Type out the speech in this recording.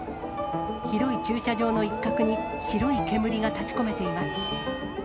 広い駐車場の一角に、白い煙が立ち込めています。